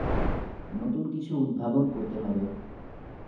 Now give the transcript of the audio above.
নতুন কিছু উদ্ভাবন করতে হবে।